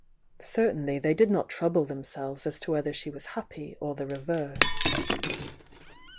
Certainly they did not trouble 20 THE YOUNG DIANA themselves as to whether she was happy or the re verse.